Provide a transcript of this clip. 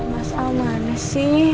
mas almanis sih